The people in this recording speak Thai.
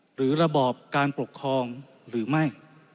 ระบอบการปกครองหรือไม่